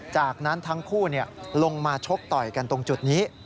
จากนั้นทั้งคู่ลงมาชกต่อยกันตรงจุดนี้